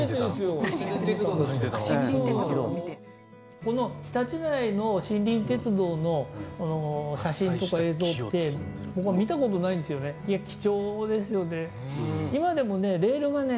この比立内の森林鉄道の写真とか映像って僕は見たことないんですよね。